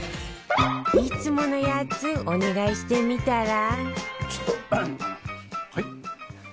いつものやつお願いしてみたら？